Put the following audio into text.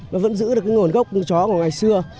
nó vẫn giữ được cái nguồn gốc chó của ngày xưa